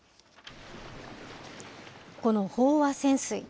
この飽和潜水。